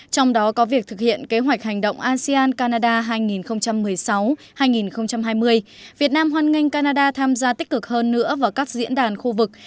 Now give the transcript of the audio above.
trong đó có việc thực hiện kế hoạch hành động asean canada hai nghìn một mươi sáu hai nghìn hai mươi việt nam hoan nghênh canada tham gia tích cực hơn nữa vào các diễn đàn khu vực